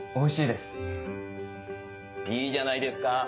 いいじゃないですか！